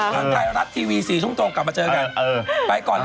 ขนคลายรัฐลักษณ์ทีวีสี่ทุ่มตรงกลับมาเจอกัน